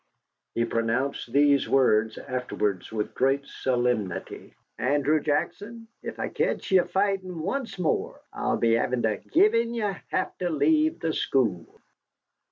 He pronounced these words afterwards, with great solemnity: "Andrew Jackson, if I catch ye fightin' once more, I'll be afther givin' ye lave to lave the school."